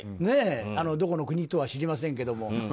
どこの国とは知りませんけど。